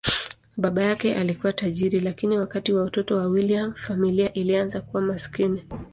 Baba yake alikuwa tajiri, lakini wakati wa utoto wa William, familia ilianza kuwa maskini.